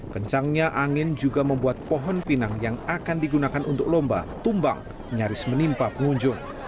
kencangnya angin juga membuat pohon pinang yang akan digunakan untuk lomba tumbang nyaris menimpa pengunjung